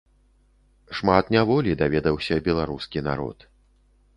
Шмат няволі даведаўся беларускі народ.